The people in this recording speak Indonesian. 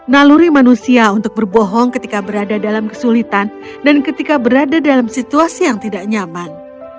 naluri manusia untuk berbohong ketika berada dalam kesulitan dan ketika berada dalam situasi yang tidak nyaman